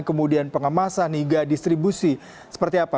kemudian pengemasan hingga distribusi seperti apa